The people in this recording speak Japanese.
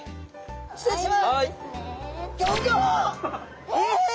失礼します。